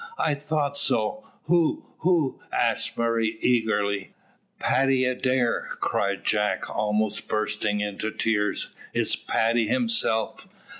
I thought so." "Who? who?" asked Murray eagerly. "Paddy Adair?" cried Jack, almost bursting into tears. "It's Paddy himself."